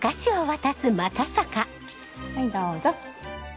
はいどうぞ。